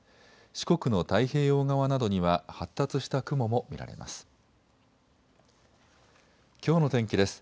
四国の太平洋側などには発達した雲も見られます。